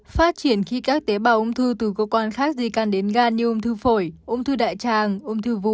phát triển khi các tế bào ung thư từ cơ quan khác di căn đến gan như ung thư phổi ung thư đại tràng ung thư vú